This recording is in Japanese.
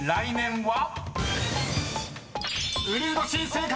［正解！